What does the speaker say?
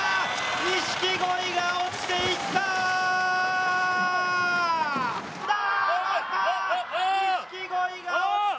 錦鯉が落ちていったー。